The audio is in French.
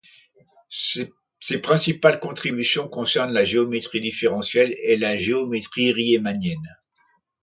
Ses principales contributions concernent la géométrie différentielle et la géométrie riemannienne.